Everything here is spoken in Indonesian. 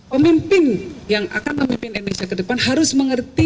pemimpin yang akan memimpin indonesia ke depan harus mengerti